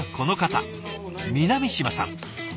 南島さん。